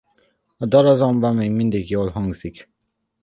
A dal azonban még mindig jól hangzik.